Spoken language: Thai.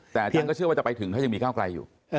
แต่ท่านก็เชื่อว่าจะไปถึงแต่ยังมีเก้าไกลอยู่